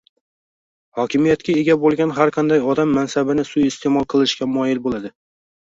hokimiyatga ega bo‘lgan har qanday odam mansabini suiiste’mol qilishga moyil bo‘ladi